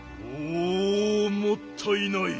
おおもったいない。